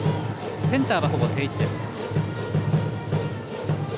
センターはほぼ定位置です。